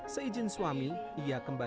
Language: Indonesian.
seijin suami ia kembali menjelaskan